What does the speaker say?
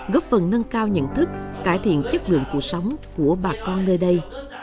góp phần nâng cao nhận thức cải thiện chất lượng cuộc sống của bà con nơi đây